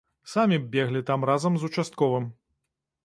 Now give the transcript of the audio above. Самі б леглі там разам з участковым.